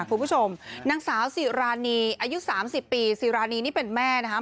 คุณผู้ชมนางสาวสิรานีอายุ๓๐ปีซีรานีนี่เป็นแม่นะครับ